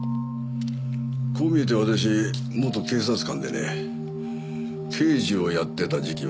こう見えて私元警察官でね刑事をやってた時期もあるんだ。